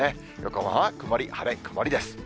横浜は曇り、晴れ、曇りです。